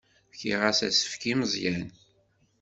Fkiɣ-as asefk i Meẓyan.